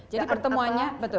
jadi pertemuannya betul